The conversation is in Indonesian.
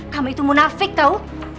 kamu itu munafik tau